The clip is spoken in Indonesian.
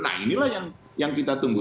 nah inilah yang kita tunggu